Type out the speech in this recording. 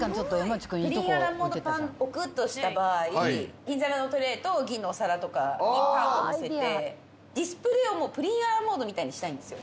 プリンアラモードパン置くとした場合、銀皿のトレーと銀のお皿とかにパンを載せて、ディスプレーをもうプリンアラモードみたいにしたいんですよ。